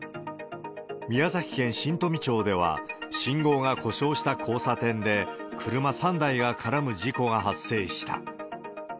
宮崎県新富町では、信号が故障した交差点で、車３台が絡む事故が発生した。